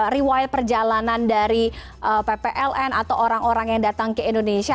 riwayat perjalanan dari ppln atau orang orang yang datang ke indonesia